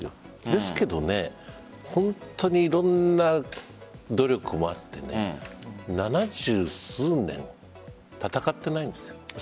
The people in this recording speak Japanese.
ですけど本当にいろんな努力もあって七十数年、戦っていないんです。